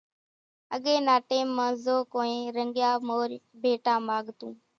اڳي نا ٽيم مان زو ڪونئين رنڳيا مورِ ڀيٽا ماڳتو،